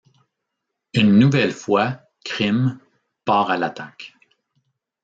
Une nouvelle fois, Krim, part à l'attaque.